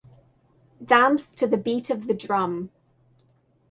Dance to the beat of the drum.